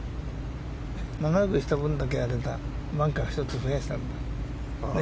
長くした分だけバンカーを１つ増やしたんだ。